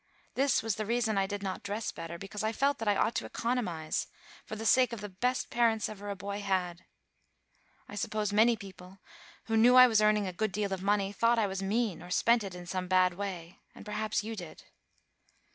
This was the reason I did not dress better, because I felt that I ought to economize, for the sake of the best parents ever a boy had. I suppose many people, who knew I was earning a good deal of money, thought I was mean, or spent it in some bad way; and perhaps you did."